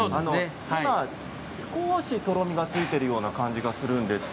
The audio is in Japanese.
今、少しとろみがついているような感じがします。